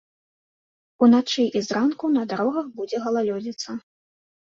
Уначы і зранку на дарогах будзе галалёдзіца.